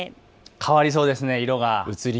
変わりそうですね。